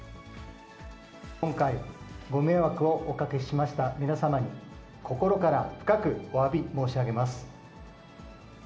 今回、ご迷惑をおかけしました皆様に、心から深くおわび申し上げます。